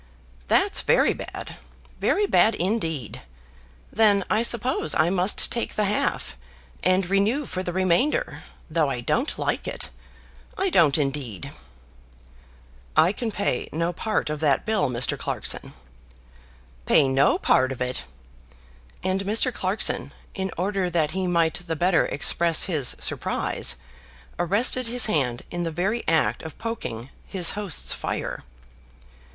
"That's very bad; very bad indeed. Then I suppose I must take the half, and renew for the remainder, though I don't like it; I don't indeed." "I can pay no part of that bill, Mr. Clarkson." "Pay no part of it!" and Mr. Clarkson, in order that he might the better express his surprise, arrested his hand in the very act of poking his host's fire.